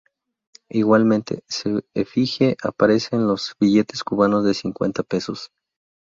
Igualmente, su efigie aparece en los billetes cubanos de cincuenta pesos.